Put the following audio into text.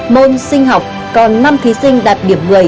môn sinh học còn năm thí sinh đạt điểm một mươi